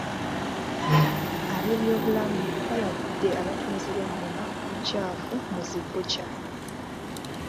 Ab'ebyobulamu balabudde abatunzi b'ennyama ku bukyafu mu zi bbucca.